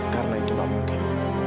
karena itu gak mungkin